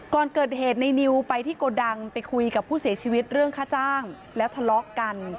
ก่อนเกิดเหตุในนิวไปที่โกดังไปคุยกับผู้เสียชีวิตเรื่องค่าจ้างแล้วทะเลาะกัน